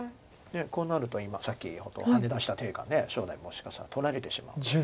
こうなるとさっきハネ出した手が将来もしかしたら取られてしまうかも。